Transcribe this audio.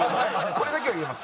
これだけは言えます。